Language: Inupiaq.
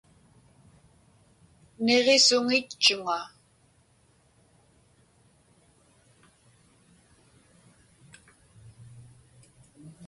Niġisuŋitchuŋa.